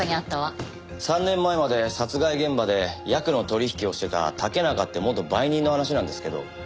３年前まで殺害現場でヤクの取引をしてた竹中って元売人の話なんですけど。